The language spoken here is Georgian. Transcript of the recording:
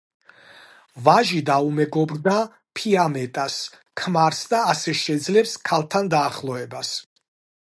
ვაჟი დაუმეგობრდება ფიამეტას ქმარს და ასე შეძლებს ქალთან დაახლოებას.